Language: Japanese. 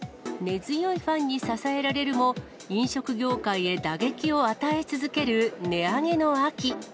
根強いファンに支えられるも、飲食業界へ打撃を与え続ける値上げの秋。